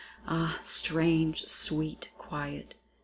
Ah! strange, sweet quiet!